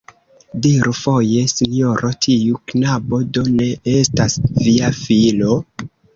Diru foje, sinjoro, tiu knabo do ne estas via filo?